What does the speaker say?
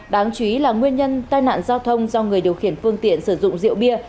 đáng chú ý là nguyên nhân tai nạn giao thông do người điều khiển phương tiện sử dụng rượu bia